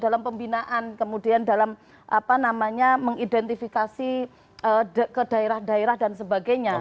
dalam pembinaan kemudian dalam apa namanya mengidentifikasi ke daerah daerah dan sebagainya